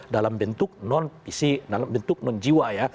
dalam bentuk non pisik dalam bentuk non jiwa